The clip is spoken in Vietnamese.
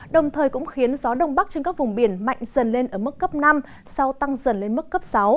đồng thời cũng khiến gió đông bắc trên các vùng biển mạnh dần lên ở mức cấp năm sau tăng dần lên mức cấp sáu